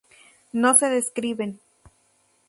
No se describen